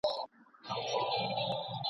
نا آشنا سور ته مو ستونی نه سمیږي !.